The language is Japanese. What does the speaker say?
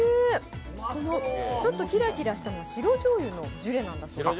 ちょっとキラキラしたのは白しょうゆのジュレなんだそうです。